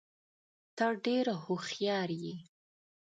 ته ډېر هوښیار یې.